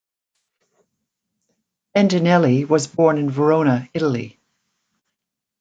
Bendinelli was born in Verona, Italy.